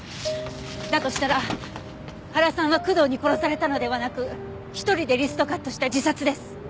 だとしたら原さんは工藤に殺されたのではなく１人でリストカットした自殺です。